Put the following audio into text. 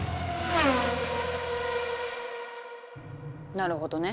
なるほどね。